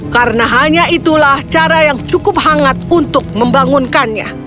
karena hanya itulah cara yang cukup hangat untuk membangunkannya